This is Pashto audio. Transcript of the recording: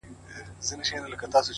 • د زلمیو د مستۍ اتڼ پر زور سو,